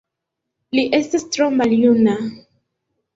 Li estas tro maljuna.